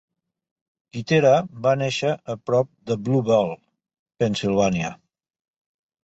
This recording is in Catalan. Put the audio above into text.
Kittera va néixer a prop de Blue Ball, Pennsylvania.